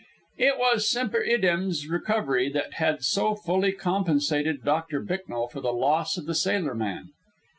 It was Semper Idem's recovery which had so fully compensated Doctor Bicknell for the loss of the sailorman.